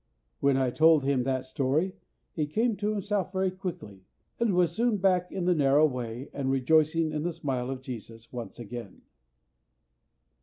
When I told him that story, he came to himself very quickly, and was soon back in the narrow way and rejoicing in the smile of Jesus once again.